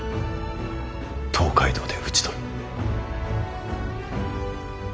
東海道で討ち取る。